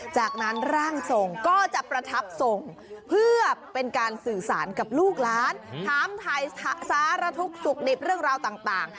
จากนั้นร่างทรงก็จะประทับทรงเพื่อเป็นการสื่อสารกับลูกล้านถามถ่ายสารทุกข์สุขดิบเรื่องราวต่าง